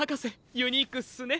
ユニークっすね。